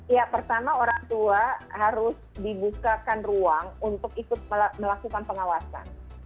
ya pertama orang tua harus dibukakan ruang untuk ikut melakukan pengawasan